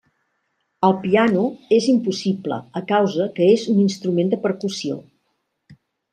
Al piano és impossible a causa que és un instrument de percussió.